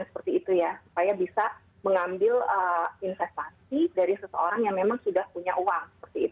supaya bisa mengambil investasi dari seseorang yang memang sudah punya uang